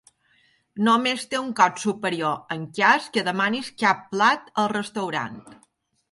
Només té un cost superior en cas que demanis cap plat al restaurant.